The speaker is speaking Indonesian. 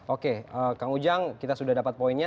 oke kang ujang kita sudah dapat poinnya